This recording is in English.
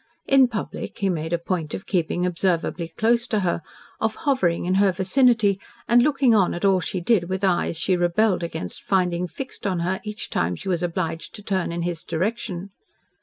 In public, he made a point of keeping observably close to her, of hovering in her vicinity and looking on at all she did with eyes she rebelled against finding fixed on her each time she was obliged to turn in his direction.